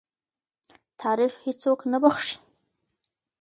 تاریخ هېڅوک نه بخښي.